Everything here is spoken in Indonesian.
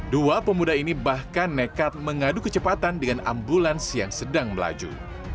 dua pemuda ini bahkan nekat mengadu kecepatan dengan ambulans yang sedang melaju